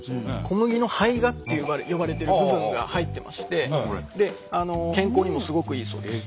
小麦の胚芽と呼ばれてる部分が入ってまして健康にもすごくいいそうです。